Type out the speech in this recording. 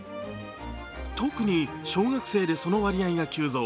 特に小学生でその割合が急増。